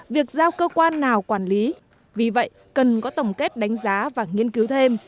việc giao cơ quan nào quản lý vì vậy cần có tổng kết đánh giá và nghiên cứu thêm